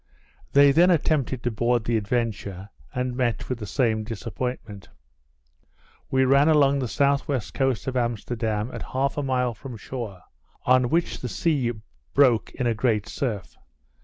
They then attempted to board the Adventure, and met with the same disappointment. We ran along the S.W. coast of Amsterdam at half a mile from shore, on which the sea broke in a great surf.